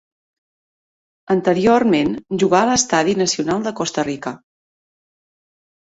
Anteriorment jugà a l'Estadi Nacional de Costa Rica.